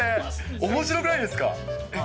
おもしろくないですか？